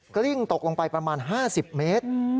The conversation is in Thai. กลิ้งตกลงไปประมาณ๕๐เมตร